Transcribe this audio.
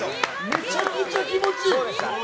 むちゃくちゃ気持ちいい！